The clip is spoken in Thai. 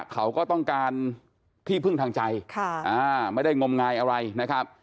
เขาก็ต้องการที่พึ่งทางใจไม่ได้งมงายอะไรนะครับ